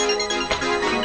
harapan buat kamu